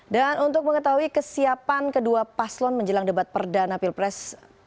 dan untuk mengetahui kesiapan kedua paslon menjelang debat perdana pilpres dua ribu sembilan belas